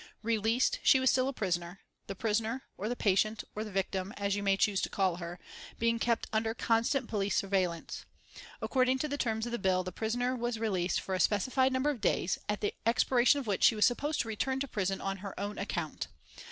Released, she was still a prisoner, the prisoner, or the patient, or the victim, as you may choose to call her, being kept under constant police surveillance. According to the terms of the bill the prisoner was released for a specified number of days, at the expiration of which she was supposed to return to prison on her own account.